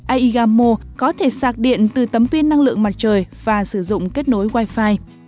aigamo có thể xác điện từ tấm pin năng lượng mặt trời và sử dụng kết nối wi fi